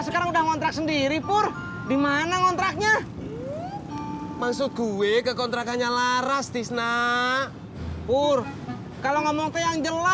sampai jumpa di video selanjutnya